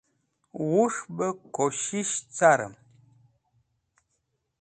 Wush bẽ kushish carẽm.